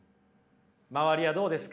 周りはどうですか？